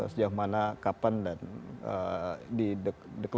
sejauh mana kapan dan dikeluarkan